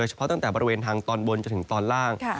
เฉพาะตั้งแต่บริเวณทางตอนบนจนถึงตอนล่าง